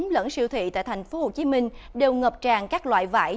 đang lên ngôi